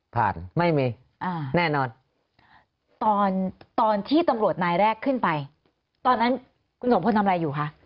ไม่มีอ่าแน่นอนตอนตอนที่ตำรวจนายแรกขึ้นไปตอนนั้นคุณสมพลทำอะไรอยู่คะ